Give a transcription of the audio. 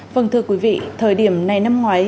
vâng thưa quý vị thời điểm này năm ngoái